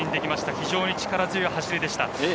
非常に力強い走りでした。